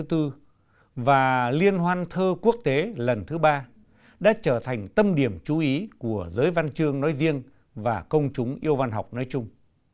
lần thứ tư và liên hoan thơ quốc tế lần thứ ba đã trở thành tâm điểm chú ý của giới văn chương nói riêng và công chúng yêu văn học nói chung